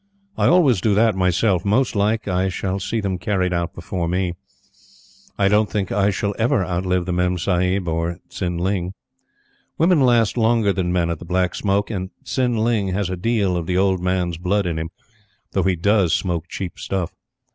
I always do that myself. Most like, I shall see them carried out before me. I don't think I shall ever outlive the Memsahib or Tsin ling. Women last longer than men at the Black Smoke, and Tsin ling has a deal of the old man's blood in him, though he DOES smoke cheap stuff.